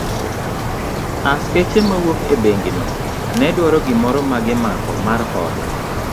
Askeche mawuok e bengi no ne dwaro gimoro magimako mar hola.